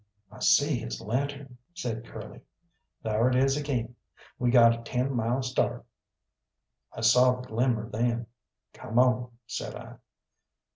"I see his lantern," said Curly; "thar it is agin. We got a ten mile start." I saw the glimmer then. "Come on," said I.